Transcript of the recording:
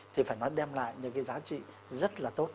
thì phải nó đem lại những cái giá trị rất là tốt